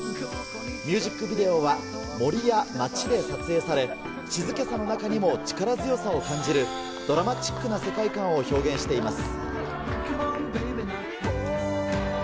ミュージックビデオは森や街で撮影され、静けさの中にも力強さを感じる、ドラマチックな世界観を表現しています。